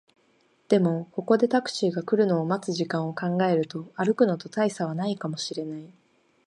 でも、ここでタクシーが来るのを待つ時間を考えると、歩くのと大差はないかもしれない